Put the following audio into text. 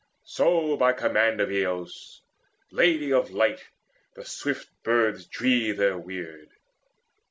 So by command of Eos, Lady of Light, The swift birds dree their weird.